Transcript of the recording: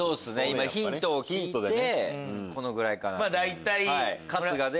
今ヒントを聞いてこのぐらいかな？っていう。